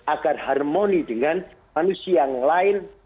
agar harmoni dengan manusia yang lain